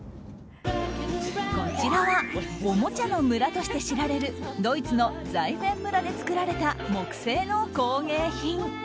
こちらはおもちゃの村として知られるドイツのザイフェン村で作られた木製の工芸品。